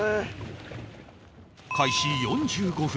開始４５分